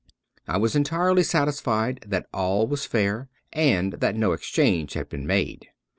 I was entirely satisfied that all was fair, and that no exchange had been made.